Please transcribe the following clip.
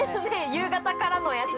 夕方からのやつで。